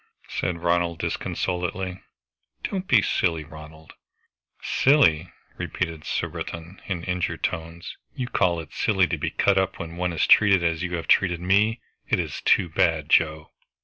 said Ronald disconsolately. "Don't be silly, Ronald!" "Silly!" repeated Surbiton in injured tones. "You call it silly to be cut up when one is treated as you have treated me! It is too bad, Joe!"